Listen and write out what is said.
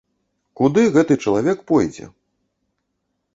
Куды гэты чалавек пойдзе?